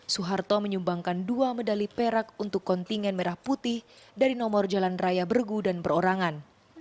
soeharto menyumbangkan dua medali perak untuk kontingen merah putih dari nomor jalan raya bergu dan perorangan